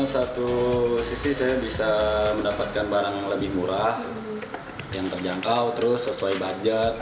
satu sisi saya bisa mendapatkan barang yang lebih murah yang terjangkau terus sesuai budget